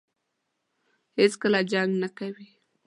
هېڅکله جنګ نه کوي.